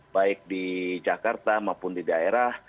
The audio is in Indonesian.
baik di jakarta maupun di daerah